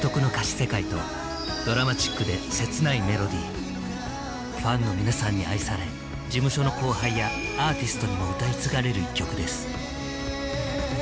世界とドラマチックでファンの皆さんに愛され事務所の後輩やアーティストにも歌い継がれる一曲です。